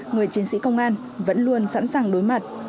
người chiến sĩ công an vẫn luôn sẵn sàng đối mặt